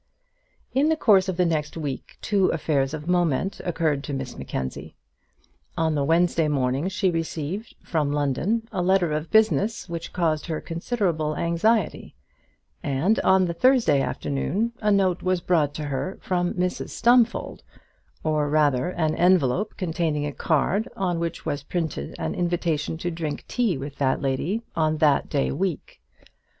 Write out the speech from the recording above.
In the course of the next week two affairs of moment occurred to Miss Mackenzie. On the Wednesday morning she received from London a letter of business which caused her considerable anxiety, and on the Thursday afternoon a note was brought to her from Mrs Stumfold, or rather an envelope containing a card on which was printed an invitation to drink tea with that lady on that day week.